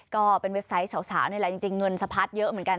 เว็บไซต์สาวนี่แหละจริงเงินสะพัดเยอะเหมือนกัน